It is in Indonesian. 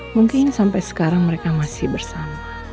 mungkin sampai sekarang mereka masih bersama